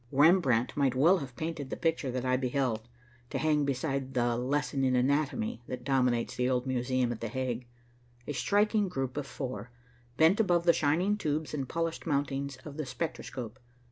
Rembrandt might well have painted the picture that I beheld, to hang beside the "Lesson in Anatomy" that dominates the old Museum at the Hague. A striking group of four bent above the shining tubes and polished mountings of the spectroscope.